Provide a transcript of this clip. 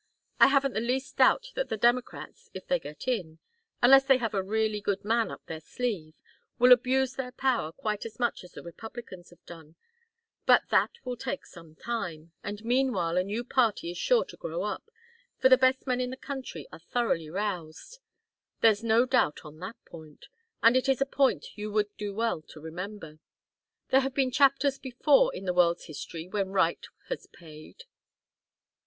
I haven't the least doubt that the Democrats, if they get in unless they have a really good man up their sleeve will abuse their power quite as much as the Republicans have done; but that will take some time; and meanwhile a new party is sure to grow up, for the best men in the country are thoroughly roused. There's no doubt on that point and it is a point you would do well to remember. There have been chapters before in the world's history when right has paid."